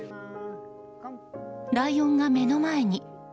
ライオンが目の前に。